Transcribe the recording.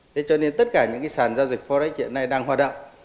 thế cho nên tất cả những cái sàn giao dịch forex hiện nay đang hoạt động